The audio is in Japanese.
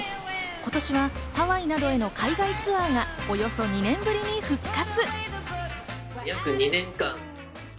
今年はハワイなどへの海外ツアーがおよそ２年ぶりに復活。